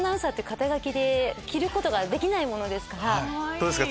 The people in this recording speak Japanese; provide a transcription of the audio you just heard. どうですか？